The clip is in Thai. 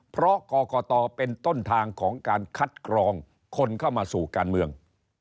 เพราะกรกตเป็นต้นทางของการคัดกรองคนเข้ามาสู่การเมือง